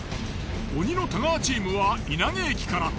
鬼の太川チームは稲毛駅から。